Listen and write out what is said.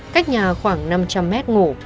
cách nhà khoảng năm trăm linh m ngủ